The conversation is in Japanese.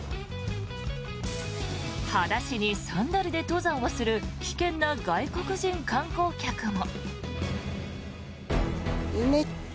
裸足にサンダルで登山をする危険な外国人観光客も。